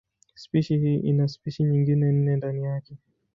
Spishi hii ina spishi nyingine nne ndani yake.